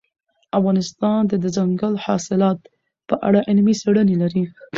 افغانستان د دځنګل حاصلات په اړه علمي څېړنې لري.